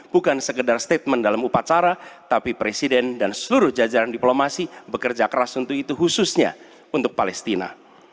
bukan sekedar statement dalam upacara tapi presiden dan seluruh jajaran diplomasi bekerja keras untuk itu khususnya untuk palestina